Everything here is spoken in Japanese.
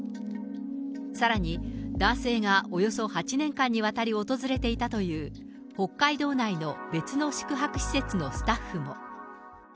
さらに、男性がおよそ８年間にわたり訪れていたという、北海道内の別の宿泊施設のスタッフも。